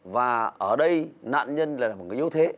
và ở đây nạn nhân lại là một người yếu thế